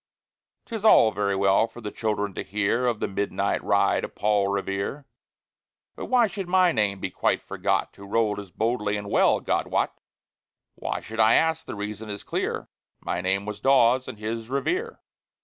'Tis all very well for the children to hear Of the midnight ride of Paul Revere; But why should my name be quite forgot, Who rode as boldly and well, God wot? Why should I ask? The reason is clear My name was Dawes and his Revere.